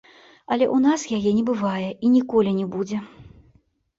Але ў нас яе не бывае і ніколі не будзе.